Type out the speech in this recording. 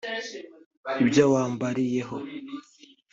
ibyo awambariyeho